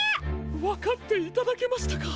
わかっていただけましたか！